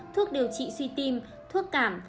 thuốc điều trị suy tim thuốc cảm